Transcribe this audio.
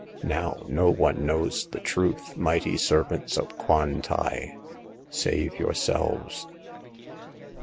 Now, no one knows the truth, mighty servants of Kwan tai, save yourselves.